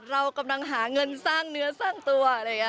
เรากำลังหาเงินสร้างเนื้อสร้างตัว